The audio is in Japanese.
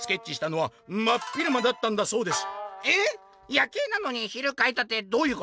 夜警なのに昼描いたってどういうこと？」。